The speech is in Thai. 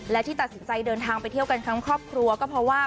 และที่ตัดสินใจเดินทางไปเที่ยวกันทั้งครอบครัวก็เพราะว่า